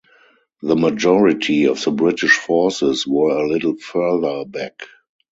The majority of the British forces were a little further back.